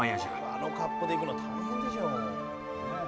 「あの格好で行くの大変でしょう」